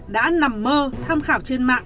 đã nằm mơ tham khảo trên mạng